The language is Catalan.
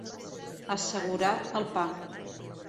Assegurar el pa.